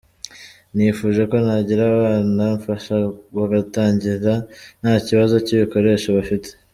Nifuje ko nagira abana mfasha bagatangira nta kibazo cy’ibikoresho bafite.